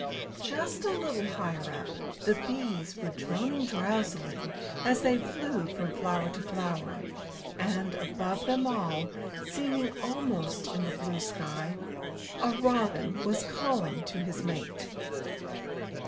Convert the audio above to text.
Just a little higher up, the bees were droning drowsily as they flew from flower to flower; and, above them all, seeming almost in the blue sky, a robin was calling to his mate.